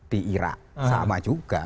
di irak sama juga